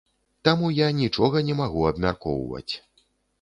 Таму я нічога не магу абмяркоўваць.